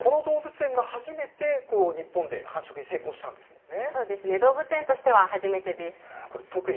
この動物園が初めて、日本で繁殖に成功したんですよね。